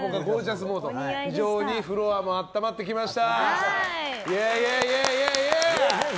非常にフロアも温まってきました。